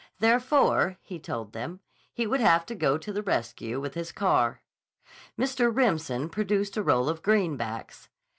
Therefore, he told them, he would have to go to the rescue with his car. Mr. Remsen produced a roll of greenbacks.